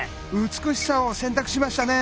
美しさを選択しましたね！